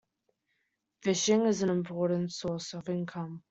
Fishing is an important source of income.